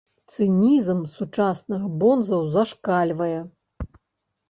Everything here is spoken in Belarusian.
Цынізм сучасных бонзаў зашкальвае.